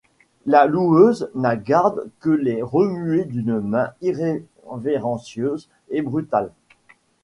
La loueuse n’a garde de les remuer d’une main irrévérentieuse et brutale.